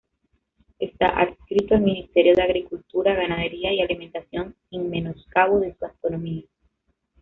Está adscrito al Ministerio de Agricultura, Ganadería y Alimentación sin menoscabo de su autonomía.